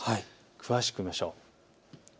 詳しく見ましょう。